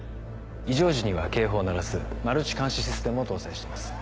異常時には警報を鳴らすマルチ監視システムを搭載しています。